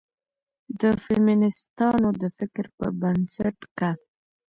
د فيمنستانو د فکر پر بنسټ، که